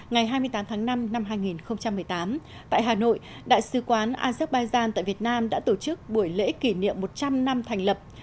ngày hai mươi tám tháng năm năm hai nghìn một mươi tám tại hà nội đại sứ quán azerbaijan tại việt nam đã tổ chức buổi lễ kỷ niệm một trăm linh năm thành lập